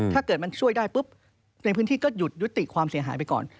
ถ้าเกิดมันช่วยได้ปุ๊บในพื้นที่ก็หยุดยุติความเสียหายไปก่อน